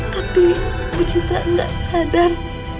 tapi bu citra gak sadar